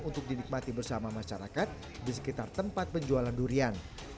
untuk dinikmati bersama masyarakat di sekitar tempat penjualan durian